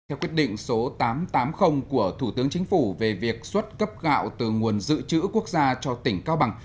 theo quyết định số tám trăm tám mươi của thủ tướng chính phủ về việc xuất cấp gạo từ nguồn dự trữ quốc gia cho tỉnh cao bằng